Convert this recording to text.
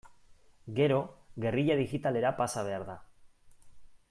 Gero, gerrilla digitalera pasa behar da.